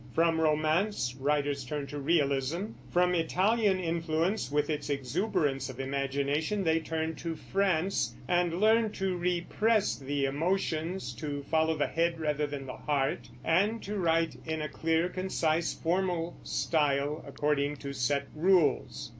From romance, writers turned to realism; from Italian influence with its exuberance of imagination they turned to France, and learned to repress the emotions, to follow the head rather than the heart, and to write in a clear, concise, formal style, according to set rules.